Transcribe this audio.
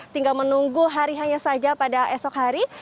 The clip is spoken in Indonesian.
tinggal menunggu hari hanya saja pada esok hari